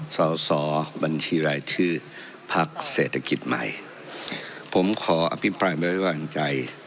สอสอบัญชีรายชื่อภักดิ์เศรษฐกิจใหม่ผมขออภิปรัยบริษัทธิวันใจ